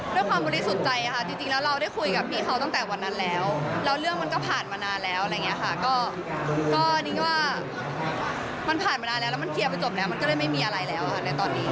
ด้วยความบริสุทธิ์ใจค่ะจริงแล้วเราได้คุยกับพี่เขาตั้งแต่วันนั้นแล้วแล้วเรื่องมันก็ผ่านมานานแล้วอะไรอย่างนี้ค่ะก็นิ้งว่ามันผ่านมานานแล้วแล้วมันเคลียร์ไปจบแล้วมันก็เลยไม่มีอะไรแล้วค่ะในตอนนี้